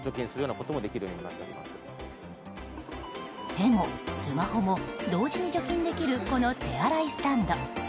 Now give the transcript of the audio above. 手もスマホも同時に除菌できるこの手洗いスタンド。